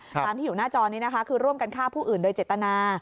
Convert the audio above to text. ตามที่อยู่หน้าจอนี้นะคะคือร่วมกันฆ่าผู้อื่นโดยเจตนา